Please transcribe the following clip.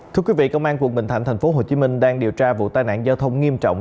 thưa quý vị công an quận bình thạnh tp hcm đang điều tra vụ tai nạn giao thông nghiêm trọng